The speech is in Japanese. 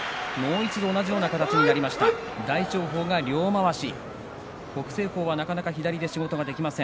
大翔鵬は両まわし。